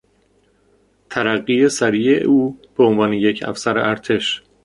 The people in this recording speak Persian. ترقی سریع او به عنوان یک افسر ارتش